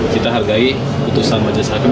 kita hargai putusan majelis hakim